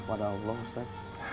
pada allah ustadz